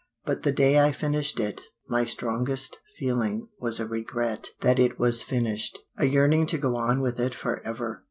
But the day I finished it my strongest feeling was a regret that it was finished, a yearning to go on with it forever.